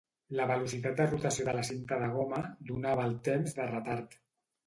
La velocitat de rotació de la cinta de goma donava el temps de retard.